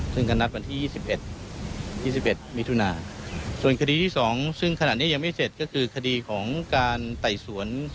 ซึ่งก็นัดวันที่๒๑๒๑มิถุนาส่วนคดีที่๒ซึ่งขณะนี้ยังไม่เสร็จก็คือคดีของการไต่สวน